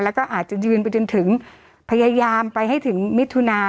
แล้วก็อาจจะยืนไปจนถึงพยายามไปให้ถึงมิถุนา